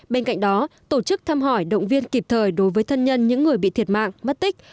bên cạnh đó tổ chức thăm hỏi động viên kịp thời đối với thân nhân những người bị thiệt mạng mất tích